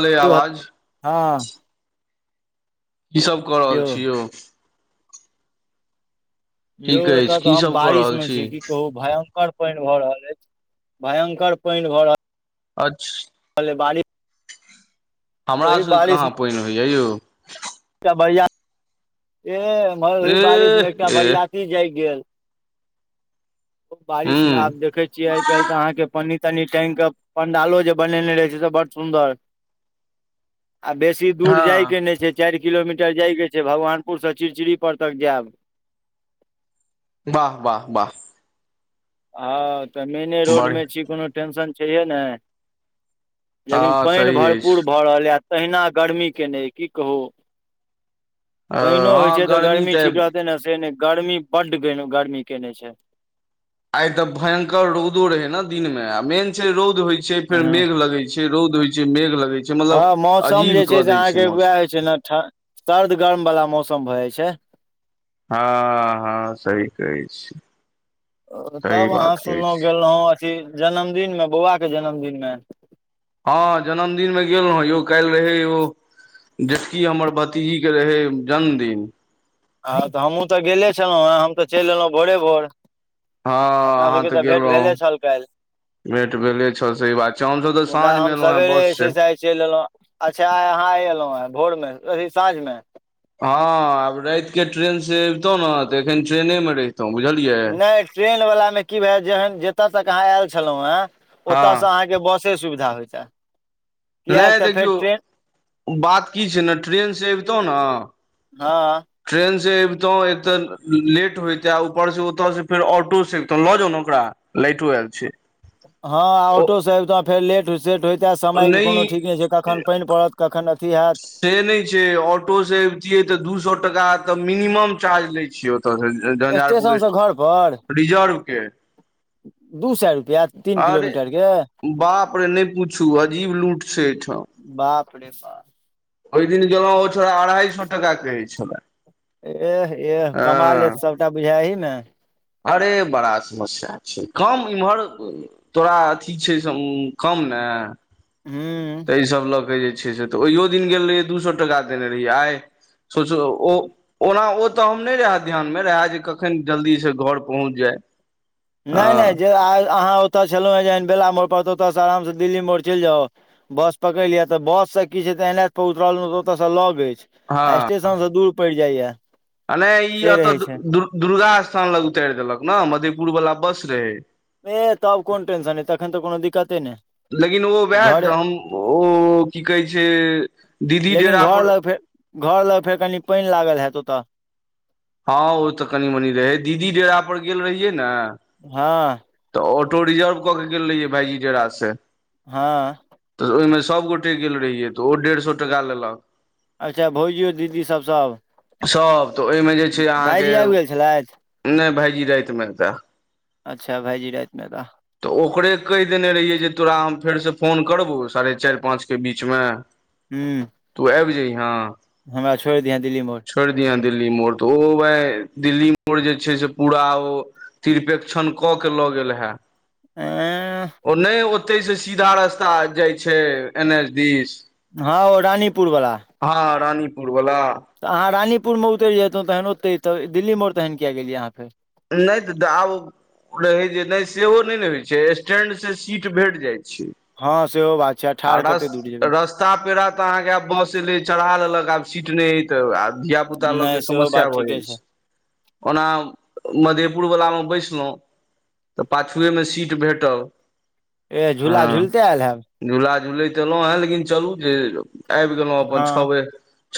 अले आवाज हँ की सब कऽ रहल छी यौ। यौ ठीक अछि एतय तऽ की हम सब कऽ बारिश रहल में छी। की कहू भयं पानि भऽ रहल अछि। भयंकर पानि भऽ रहल अछि। अच्छ बारी हमरा सके बारिश मे कहाँ पानि होइए यौ एकटा बढ़िआ ए एमहर बारिश मे एकटा एह एह बरिया गेल बारिश मे हूँ आब देखे छिय आइ काल्हि तऽ अहाँके प तनी टाइंग के पंडालो जे बनेने रहे छै से बड सुन्दर आ बेसी दूर हँ जाइके नहि छै। चारि किलोमीटर जाइके छै। भगवानपुरसँ चिड़चिड़ीप तक जायब। वाह वाह वाह। हँ तऽ मेने बढ़ रोडमे छी। कोनो टेंशन छैहे नहि। लेकिन हँ पानि सही अछि भरपूर भऽ रहलए तहिना गर्मी केने अइ की कहू। अ पानिओ होइत हँ छै। तऽ गर्मी ठीक तऽ रहतै ने से नहि गर्मी बड्ड गर्मी कयने छै। आइ ते भयंकर रौदो रहै ने दिन मे आ मेन छै। रौद होय छै। फेर हँ मेघ लगै छै। रौद होइ छै। मेघ लगै छै। हँ मतलब मौसम अजीब जे छै। कऽ से दै अहाँके उएह मौसम होइ छै। ने सर्द गर्मवला मौसम भऽ जाइ छै। हँ हँ सही कहै छी। सही तब अहाँ बात कहै सुनलहुँ छी गेलौ अथी जन्मदिन मे बौआ के जन्मदिन मे हँ जन्मदिन मे गेल रह यौ काल्हि रहै यौ जेटकी हमर ब जी के रहै जन्मदिन। हँ तऽ हमहूँ तऽ गेले छलौ हेँ हम तऽ चलि एलौं भोरे भोर। हँ अपना अहाँ सभके तऽ गेल भेट रहौ। भेले छल काल्हि भेट भेले छौ। सही बात छौ। हमसभ तऽ मुदा साँझ मे हम एलौ हँ सवेरे बस जे छै। से आइ चलि एलहुँ अच्छा आ अहाँ आ एलहु ह भोर मे अथी साँझ मे हँ आब राति के ट्रेन से अबतहुँ ने तऽ एखन ट्रेनेमे रहितहुँ बुझलियै। नहि ट्रेन वलाा मे की भयह जते तक अहा आयल छलौं। हे हँ ओते से अहाँ से बसे सुविधा होइ ता नहि देखियौ बात की छै। ने ट्रेनसँ अबितहु ने हँ ट्रेन से अबतहु एक तऽ लेट होयते ऊपरसँ ओतऽ से फेर ऑटोसँ एबतौ लऽ जाउ ने ओकरा लाटो आल छै। हँ ओ ऑटोसँ अबितहुँ फेर लेट सेेट होयइते समयके कोनो ठीक नहि छै। कखन पानि पड़त कखन अथी होयैत। से नहि छै। ऑटो से एबतियै तऽ दू सए टका तऽ मिनिमम चार्ज ले छियै। तऽ झंझारपुर स्टेशनसँ घर पर रिजर्व के दू सए रुपैआ तीन अरे किलोमीटर के बाप रे नहि पूछू अजीब लूट छै। एहिठाम बाप रे बाप ओहि दिन गेलहु ओ छोड़ अढ़ाइ सए टाका के छ। एह एह कमाले सबटा बुझाय अही मे अरे बड़ा समस्या छै। कम इम्हर तोरा अथी छैस कम ने हूँ तऽहि सब लऽ क जे ठीक से तऽ ओहियो दिन गेल। रहिै दू सए टका देने रहियै आइ सोच ओ ओना ओ तऽ हम नहि रहै ध्यानमे रहै। जे कखन जल्दी सँ घर पहुँच जाए नहि नहि जे आइ अहाँ ओतय छलहुँ। हेँ जेहन बेला मोड़पर तऽ ओतयसँ आरामसँ दिल्ली मोड़ चलि जाउ बस पकड़ि यिया तऽ बस से की छै। तऽ एन एत पर उतरल तऽ ओतयसँ लग अछि। आ हँ स्टेशन सँ दूर पड़ि जाइएा आ नहि ई एतऽ दुर्गा स्थान लग उतार देलक ने मधेपुर वालला बस रहे ए तब कोन टंशन तन तऽ कोनो दिक्कते नय लेकिन ओ वए त हम ओ की कहै छै। दीदी लेकिन डेरा घर पर लग फेर घर लग फेर कनि पानि लागल होयत ओतऽ हँ ओ तऽ कनी मनी रहै दीदी डेरा पर गेल रहियै ने हँ तऽ ऑटो रिजर्व कऽ के गेल रहियै भाईजी डेराा सँ हँ तऽ ओहिमे सभगोटे गेल रहियै तऽ ओहो डेढ़ सए टका लेलक अच्छा भोजियौ दीदी सब सब सभ तऽ ओहिमे जे छै अहाँके भाईजी आबि गेल छलथि नहि भायजी राति मे एता अच्छा भाईजी रातमे एता तऽ ओकरे कहि देने रहियै जे तोरा हम फेरसँ फोन करबौ साढ़े चारि पाँचके बीचमे हू तू आबि जइहँ छोड़ि दिहां दिल्ली मोड़ छोड़ि दिहां दिल्ली मोड़ तऽ ओ बहिं दिल्ली मोड़ जे छै से पूरा ओ तिरपेक्षण कऽ के लऽ गेल हें अंए ओ नहि ओतहि सँ सीधा रास्ता जाइ छै एन एच दिस ह ओ रानीपुरवला ह रानीपुर वाला तऽ अहाँ रानीपुरमे उतरि जेतहुँ तखन ओते सऽ दिल्लीमोड़ तहन कियाक गेलियै अहाँ फेर। नहि तऽ आब। रहै जे नहि सेहो नहि ने होइ छै स्टैड से सीट भेट जाइत छै। हँ सेहो बात छै। आ ठाढ़ कते दूर जेबै रस्ता पेड़ा तऽ अहाँकेँ आब बस एले चढ़ा लेलक आब सीट नय तऽ आ धियापुता लके नहि सेहो बात समस्या भऽ ठीके जाइत छै। ओना मधेपुर वलामे बैसलहुँ तऽ पाछुएमे सीट भेटल झूला हँ झूलते आयल हैब झूला झुलैत एयलहुँ हे लेकिन चलू जे आबि गेलहुँ अपन छओ हँ बजे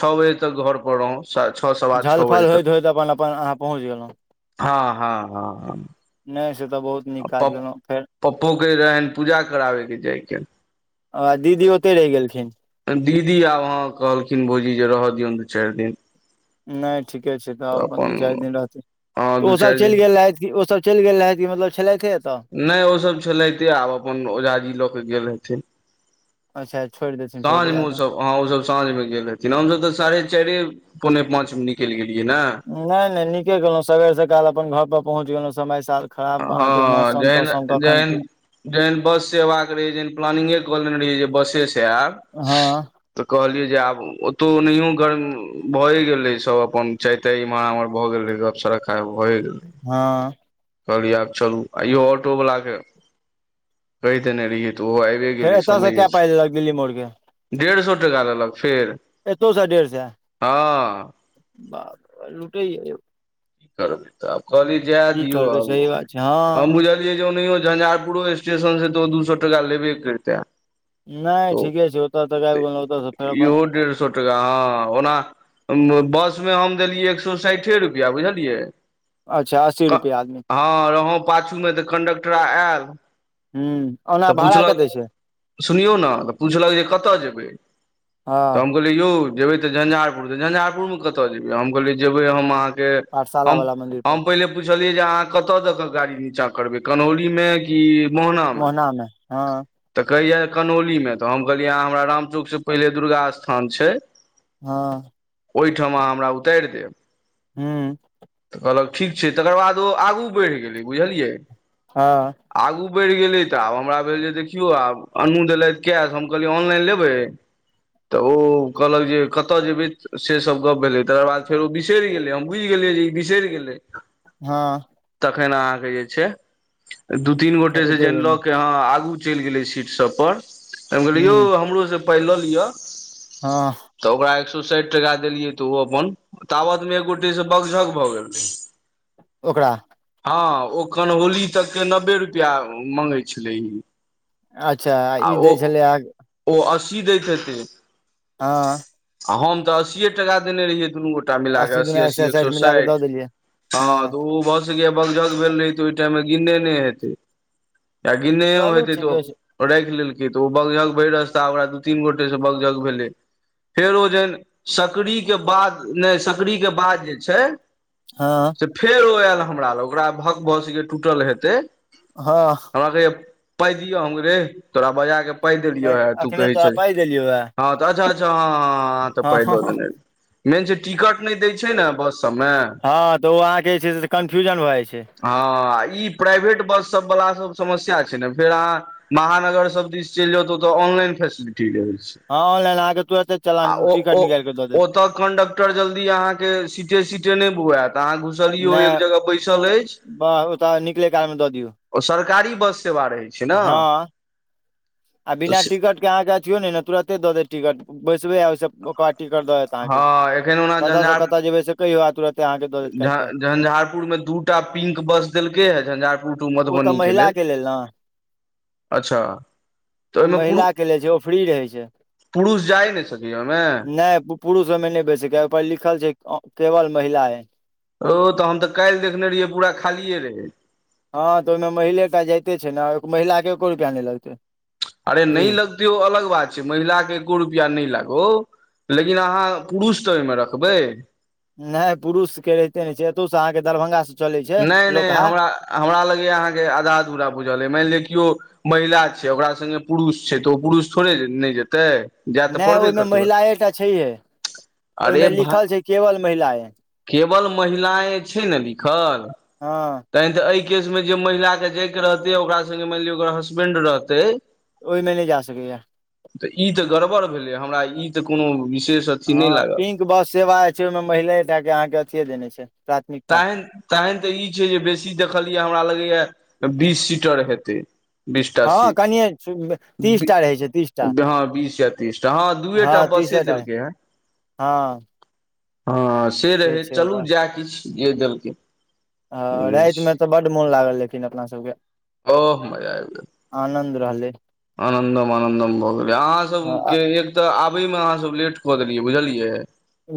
छओ बजे तक घर पर रहु छओ से। झलफल होइत होइत अपन अपन अहाँ पहुँच गेलहुँ। ह ह ह नहि से तऽ बहुत। नीक काज आ केलहुँ फेर पप्पोके रहनि पूजा कराबयके जाइके आ दीदी ओते रहि गेलखिन। दीदी आब अहाँ कहलखिन भौजी जे रह दियौन दू चारि दिन। नहि ठीके छै तऽ अपन दू चारि दिन रहतै हँ त दू ओसभ चारि चलि दिन गेल रहथि कि ओसभ चलि गेल रहथि कि मतलब छलेइथे एतऽ नहि ओ सभ छलएथे आब अपन ओझाजी लऽ के गेल हेथि अच्छा छोड़ि देथिन। अहाँ ओसभ साँझ मे गेल रहथिन हमसभ तऽ साढ़े चारि पौने पाँच मे निकलि गेलियै न नहि नहि नीके केलहुँ सबेर सकाल अपन घर पर पहुँच गेलहुँ समय साल। खराब ह अहाँके मौसम जैन तौसम कखन जैन की जहन बस से अयबाक रहै जेहन प्लानिगे कऽ लेने रहिय जे बसे से आयब हँ तऽ कहलियै जे आब ओतौ नहियो गर्म भए गेले सभ अपन चै एते इमहर आमहर भएऽ गेल रहै गप सड़का भए गेल ह कहलियै आब चलू आ इहो ऑटो वाला के कहि देने रहिये तऽ ओहो आइब। फेर एता से कै पाइ लेलऽ कऽ दिली मोड़के डेढ़ सए टका लेलऽ कऽ फेर एतौ स डेढ़ सए हँ की बाप रे लूटेय यौ करबै तऽ आब कहलियै जाय की दियो आ करबै सही बात छै हँ हम बुझलियै जे ओनहियो झझार पो स्टेशन से तो दू सए टा लेबे करते नहि ठीके छै ओता तक आयब गेलोउ ओता से फेर अपन। इहो डेढ़ सए। ह ओना बस मे हम देलियै एक सए साठे रुपआ बुझलियै अच्छा असी रुपैआ आदमी ह रहौ पाछू मे तऽ कंडकटर आयल हू आ तऽ पुछलक सुनियौ ने तऽ पुछलकऽ जे कतय जेबै ह तऽ हम कहलियए यौ ज जेबै तऽ झञ्झारपुर तऽ झञझारपुरमे कतऽ जेबै हम कहलि जेबै हम अहाँकेँ पाठशाला हम वाला मंदिर पर हम पहिले पुछलियै जे अहाँ कतय दऽ कऽ गाड़ी नीचाँ करबै कन्हौरीमे की मोहना मे तऽ कहैया कनहोलीमे तऽ हम कहलियै अहाँ हमरा रामचौकसँ पहिले दुर्गा स्थान छै हँ ओहिठाम अहाँ हमरा उताइर देब हँ तऽ कहलक ठीक छै तकर बाद ओ आगू बइढ़ गेलै बुझलियै हँ आगू बढ़ि गेलै तऽ आब हमरा भेल जे देखियौ आब अन्नूँ देलेथ कैश हम कहलियै ऑनलाइन लेबै तऽ ओ कहलक जे कतय जेबै से सब गप भेलै तकर बाद फेर ओ बिसरि गेले हम बुइझ गेलियै जे ई बिसेर गेलै हँ तखन अहाँके जे छै दू तीन फेर गोटे से ओते जानि बेर लऽ मे के ह आगू चेल गेलेय सीट सब पर त हम कहलिए यौ हूँ हमरो पैइ लल यऽ हँ तऽ ओकरा एक सए साठि टका देलियै तऽ ओ अपन तावत में एगो से बग झग भऽ गेलै ओकरा हँ ओखकन होली तकके नब्बे रुपैआ मँंगै छलै अच्छा आ ई दै छलै आ ओ अस्सी दैत हेती आँ आ हम तऽ असीए टाका देने रहियै दुनू गोटा मिल के असीए दुना असी अस्सी एक सए साठि मिला कऽ साठ दऽ देलियै हँ त ओ ब बग गझ भेल रहै तऽ ओहि टाइममे गिनने नय हेतै य गिनने चलू हेतै तऽ ठीके छै ओ राखि लेलकै तऽ ओ बगजग भय रस्ता ओकरा दू तीन गोटे से बगजग भेलै फेर ओ जेन सकरी के बाद नय सकरी के बाद जे छै हँ तऽ फेर ओ आयल हमरा लग ओकरा भक भसके टूटल हेतै हँ हमरा कहेए पाइ दियौ हम कहलिए रे तोरा बजााक पाइ देलियौ तू एखने कहै तऽ छ पाइ देलियौ हे हँ त अच्छा अच्छा ह त हँ पाइ देने मेन छै टिकट नहि द छै ने बस सबमे हँ तऽ ओ अहाँके जे छै कन्फ्यूजन भऽ जाइ छै हँ ई प्राइवेट बस सब वला सब समस्या छै ने फेर अहाँ महानगर सब दिस चलि जाउ तऽ ओतऽ ऑनलाइन फेसिलिटी रहेय छै हँ ऑनलाइन अहाँके तुरत चलान टिकट निकालिकऽ दऽ देत [unintelligible] कन्डटर जल्दी अहाँ के सीटे सीटे नय बुएत अहाँ घु बैसलो एक नहि जगह बैसल अछि बस ओतय निकलै कालमे दऽ दियौ [inaudible] ओ सरकारी बस सेवा रहै छै न हँ आ बिना टिकट के अहके अथियो ने तुरते द देत टिकट बैसबे आ ओहि ओकबाद टिकट द हँ देत एखन ओना कत से कत जेबै से कहियो तत झ झंझारपुर मे दू टा पिंक बस देलकै हे झंझारपुर टू ओ तऽ मधुबनीक के लेल [inaudible] अच्छा तऽ ओ ओहिमे पुरु महिला के लै छै ओ फ्री रहै छै पुरुष जाय नहि सकैए ओहिमे नै पुरुष ओमे नै बैैस सकैया ओ पर लिखल छै केवल महिलायें ओ तऽ हम तऽ काल्हि देखने रहियै पूरा खालियए रहै हँ तऽ ओईमे महिलेटा जाइते छै ने महिलाके एको रुपैआ नै लगतै अरे नै फ्री लगतै ओ अलग बात छै महिलाके एको रुपैआ नै लागौ लेकिन अहाँ पुरुष [unintelligible] रखबै नै पुरुष के रहिते नै छै एतहुसँ अहाँके दरभंगा स नै नै हमरा हमरा लगैया अहाँके आधा अधूरा बुझल अइ मानि लिअ किओ महिला छै ओकरा संगङ्गे पुरुष छै तऽ ओ पुरुष थोड़े नै जेतै जाय तऽ नै पड़बे ओईमे करतै महिलाये टा छैहे अरे ओहिमे भा लिखल छै केवल महिलाए केवल महिलायें छै ने लिखल हँ ते तऽ एहि केस मे जे महिलाक के जायके रहतै ओकरा संगे मानि लिअ ओकर हसबेंड रहतै ओय मे नै जा सकैए ई तऽ ई तऽ गड़बड़ भेलै हमरा ई तऽ कोनो विशेष अथी नहि हँ लागल पिंक बस सेवा छै ओहिं महिलेटा के अहाँ के अथिये देने छै प्राथमिकता टाईम टाईम तऽ ई छै जे बेसी देखलियै या हमरा लगैए बीस सीटर हेतै बीसटा हँ सीट कनिये तीस बी टा रहै छै तीस टा हँ बीस या तीस तऽ हँ दूए टा बसे तीसे टा देलकै हें हँ हँ से रहै छै चलू ओकर जाएह किछ जे देलकै हँ बुझै छी रातिमे तऽ बड्ड मोन लागल लेकिन अपना सबके ओह आनन्द रहलै आनंदम आनन्दम भऽ गेलै अहाँ हँ सबके एक तऽ आबै मे अहाँ सब लेट कऽ देलियै बुझलियै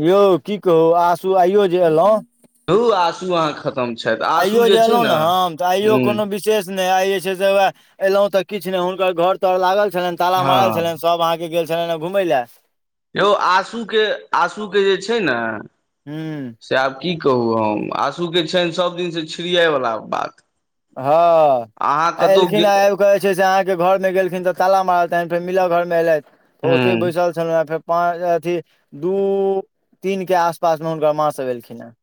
यौ की कहू आसू आइयो जे एलौं धु आसु अहाँ खतम छथि आँसू आइयो जे छै एलौं ने न हम तऽ आइयो हूँ कोनो विस विशेष नैे आइ जे छै से एलौं तऽ किछु ने हुनकर घर तर लागल छलनि ताला मारल हँ छलनि सब अहाँ के गेल छलनि हें घुमय लए यौ आसूके आसूके जे छै ने हूँ से आब की कहू हम आँसूके छनि सब दिनसँ छिड़ियाइवला बात हँ अहाँ कतहु गे एलखिन हें आब [unintelligible] सेहाँके घर मे गेलखिन तऽ ताला मारल तहन फेर मिल घर मे एलथि ओते हूँ बैसल फेर पाँ अथी दू तीन के आसपास मे हुनकर माँ सब एलखिन हेँ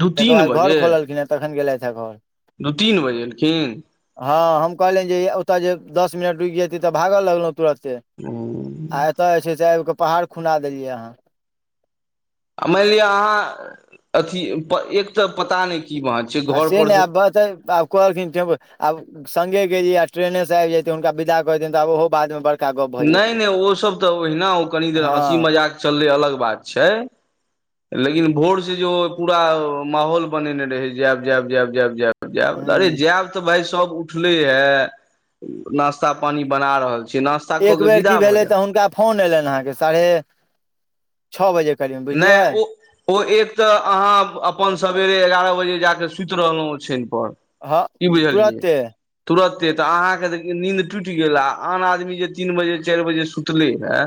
दू तकर तीन बाद घर बजे खोललखिन हेँ तखन गेलथि हे घर दू तीन बजे एलखिन हँ हम कहलियनि जे ओतय जे दस मिनट रूकि जेतौं तऽ भाग लगलौं तुरते हूँ आ एतय जे छै से आबि कऽ पहाड़ खुना देलियै अहाँ आ मान लिअ अहाँ अथी एक तऽ पता नै की बात छै आ से घरपर नै आब बतै आब कहलखिन ते आब संगे गेलिया ट्रेने स आबि जैतै हुनका विदा क दैतियैन ओहो बाद मे नै नै ओसब तऽ ओहिना ओ कनि देर हँसी हँ मजाक चललै अलग बात छै लेकिन भोर स जे ओ पूरा माहौल बनेने रहै जायब जायब जायब जायब जायब जायब अरे हूँ जायब तऽ भाय सब उप उठले हे नास्ता पानी बना रहल छी नश्ता। एक बेर कि भेलै तऽ हुनका फोन एलनि अहाँकेँ साढ़े छओ बजे करीब बुझलियै नहि ओ। ओ एक तऽ अहाँ अपन सबेरे एगारह बजे जा के सुति रहलहुँ ओछन पर। हँ कि बुझलियै। तुरते तुरते तऽ अहाँकेँ तऽ नींन्द टूटि गेल आ आन आदमी जे तीन बजे चारि बजे सुतले है।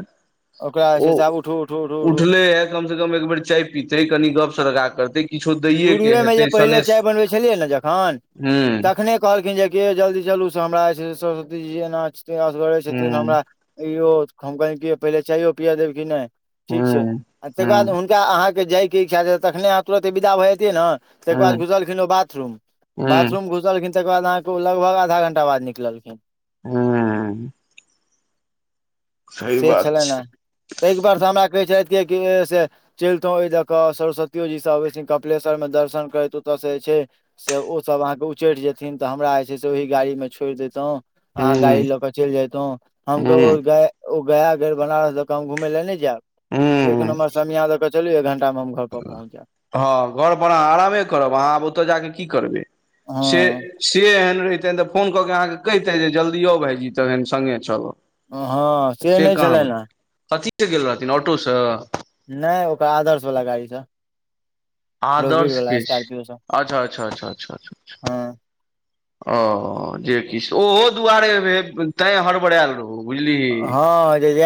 ओकरा से जे छै आब उठूं उठूं उठूं उठले हे कम से कम एक बेर चाय पितते कनी गप सरक्का करते किछो दैये के शुरुएमे जे हेतै पहिले सनेश चाय बनबै छलियै ने जखन हूं तखने। कहलखिन जेक जल्दी चलू से हमरा जे छै से सरस्वतीजी एना असगरै छथिन हूं हमरा। यौ हम कहे पहिले चायो पिया देब कि नहि हूँ ठीक छै आ तकर बाद हूँ हुन्का अहाँकेँ जाइके इच्छा तखने अहाँ तुरत विदा भऽयतै ने। तकर बाद हूँ घुसलखिन ओ बाथरूम हूँ बाथरूम। घुसलखिन तकर बाद अहाँकेँ ओ लगभग आधा घंटा बाद निकलखिन। ह से बात छलै ह छै तय के बार से हमरा कहे छथि कि से चलतों ओदके सरस्वतियो जी सभ आबै छथि कपिलेश्वर मे दर्शन करू तऽ से जे छै। से ओसभ अहाँकेँ उचैठि जेथिन तऽ हमरा जे छै से ओहि गाड़ी मे छोड़ि देतहु। अहाँ गाड़ी हूँ लऽ कऽ चलि जयतौ हम हूँ कहलो ओ गया गेल बनारसँ दक हम घुमे लए नहि जायब। एक हूँ नम्बर समिय दऽ कऽ चलू एक घंटा मे हम घर पर पहुँच जायब। हँ घर पर अहाँ आरामे करब अहाँ आब ओतय जा कऽ कि करबै। से हँ से एहन रहे रहतिये तऽ फोन कऽ कऽ अहाँकेँ कहितै जे जल्दी यउ भायइजी तहन सङ्गे चलऽ। हँ से नहि कहाँ है छलनि हेँ कथिसँ गेल रहथिन ऑटोस नहि ओकर आदर्श वाला गाड़ी से। आदर्श के छी स्कार्पियो सँ अच्छा अच्छा अच्छा। हँ ओ जे किछु ओहो दुआरे ते हड़बड़ाएल रहो। हँ ज